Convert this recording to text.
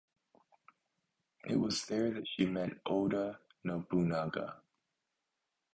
It was there that she met Oda Nobunaga.